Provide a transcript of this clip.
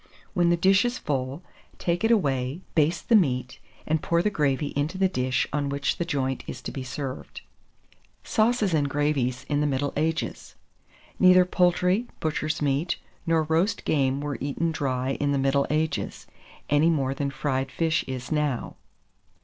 When the dish is full, take it away, baste the meat, and pour the gravy into the dish on which the joint is to be served. SAUCES AND GRAVIES IN THE MIDDLE AGES. Neither poultry, butcher's meat, nor roast game were eaten dry in the middle ages, any more than fried fish is now.